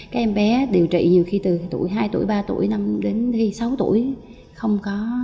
các em bé điều trị nhiều khi từ tuổi hai tuổi ba tuổi năm đến sáu tuổi không có